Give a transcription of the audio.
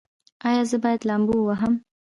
ایا زه باید لامبو ووهم؟